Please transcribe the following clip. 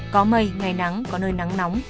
có mây ngày nắng có nơi nắng nóng